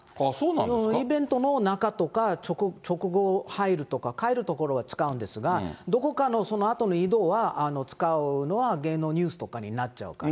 イベントの中とか、直後、入るとか帰るところは使うんですが、どこかのそのあとの移動は、使うのは芸能ニュースとかになっちゃうから。